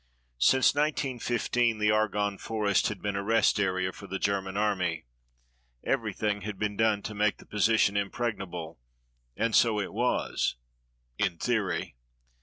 Since 1915 the Argonne Forest had been a rest area for the German Army. Everything had been done to make the position impregnable, and so it was in theory.